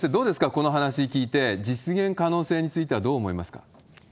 この話聞いて、実現可能性についてはどう思いますか？